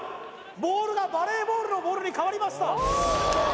ボールがバレーボールのボールにかわりました